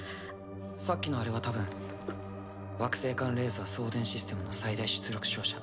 さっきのあれはたぶん惑星間レーザー送電システムの最大出力照射。